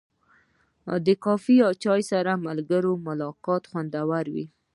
د کافي یا چای سره د ملګرو ملاقات خوندور وي.